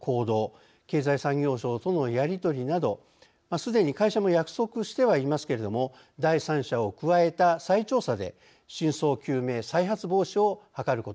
経済産業省とのやり取りなど既に会社も約束してはいますけれども第三者を加えた再調査で真相究明・再発防止を図ることが課題です。